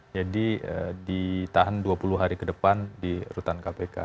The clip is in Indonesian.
jadi ditahan dua puluh hari ke depan di rutan kpk